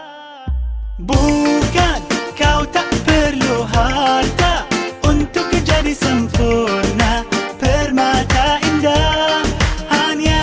eh bukan kau tak perlu harta untuk menjadi sempurna permata indah hanya